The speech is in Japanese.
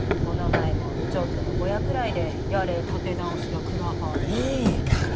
この前もちょっとのボヤくらいでやれ建て直しだクラファンだ。